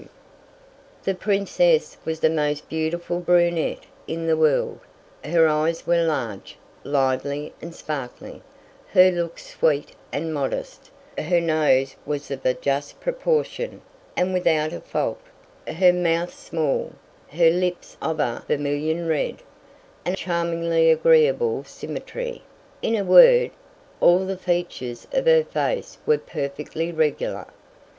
_ _The Princess was the most beautiful brunette in the world; her eyes were large, lively, and sparkling; her looks sweet and modest; her nose was of a just proportion and without a fault; her mouth small, her lips of a vermilion red, and charmingly agreeable symmetry; in a word, all the features of her face were perfectly regular.